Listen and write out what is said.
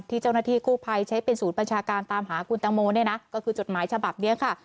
เจ้าหน้าที่กู้ภัยใช้เป็นศูนย์บัญชาการตามหาคุณตังโมเนี่ยนะก็คือจดหมายฉบับนี้ค่ะ